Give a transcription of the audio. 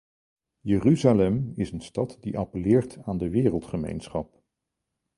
Jeruzalem is een stad die appelleert aan de wereldgemeenschap.